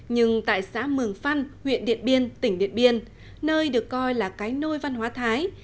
nhưng tại xã mường phăn huyện điện biên tỉnh điện biên nơi được coi là cái nôi văn hóa thái